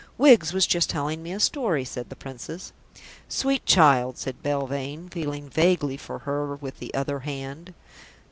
"Wiggs was just telling me a story," said the Princess. "Sweet child," said Belvane, feeling vaguely for her with the other hand.